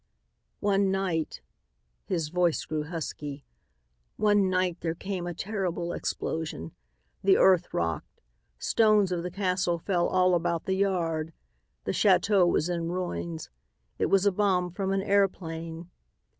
"One night," his voice grew husky, "one night there came a terrible explosion. The earth rocked. Stones of the castle fell all about the yard. The chateau was in ruins. It was a bomb from an airplane.